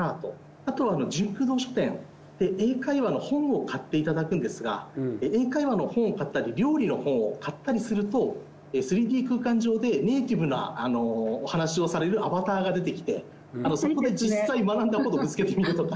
あとはジュンク堂書店で英会話の本を買っていただくんですが英会話の本を買ったり料理の本を買ったりすると３Ｄ空間上でネイティブなお話をされるアバターが出てきてそこで実際学んだことをぶつけてみるとか。